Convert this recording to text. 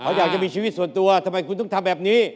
เขาอยากจะมีชีวิตส่วนตัวทำไมคุณต้องทำแบบนี้